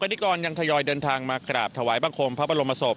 นิกรยังทยอยเดินทางมากราบถวายบังคมพระบรมศพ